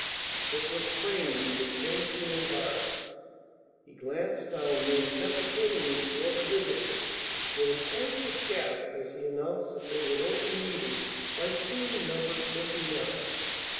It was plain that he was painfully embarrassed. He glanced now and then deprecatingly toward the visitors with an anxious gasp as he announced that they would open the meeting by singing number twenty nine.